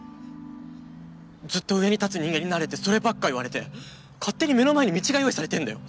ずっと上に立つ人間になれってそればっか言われて勝手に目の前に道が用意されてんだよ